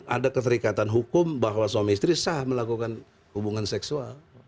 ada keterikatan hukum bahwa suami istri sah melakukan hubungan seksual